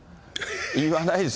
言わないです。